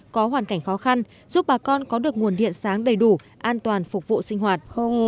có hoàn cảnh khó khăn giúp bà con có được nguồn điện sáng đầy đủ an toàn phục vụ sinh hoạt